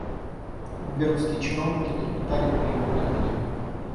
Губернские чиновники трепетали при его имени.